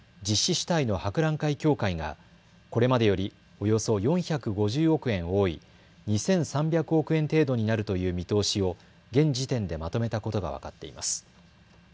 主体の博覧会協会がこれまでよりおよそ４５０億円多い２３００億円程度になるという見通しを現時点でまとめたことが分かっています。